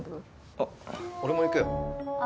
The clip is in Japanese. あ俺も行くよあ